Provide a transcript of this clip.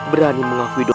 berani mengakui doa